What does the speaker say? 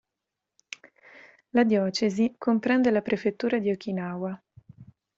La diocesi comprende la prefettura di Okinawa.